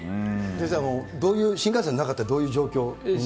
先生、どういう、新幹線の中って、どういう状況なんでしょうか。